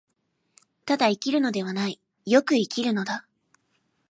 ただ生きるのではない、善く生きるのだ。